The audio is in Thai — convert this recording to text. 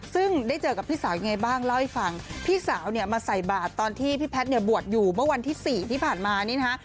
ซึ่งได้เจอกับพี่สาวยังไงบ้างเล่าให้ฟังพี่สาวเนี่ยมาใส่บาทตอนที่พี่แพทย์เนี่ยบวชอยู่เมื่อวันที่๔ที่ผ่านมานี่นะคะ